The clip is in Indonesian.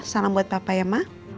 salam buat papa ya ma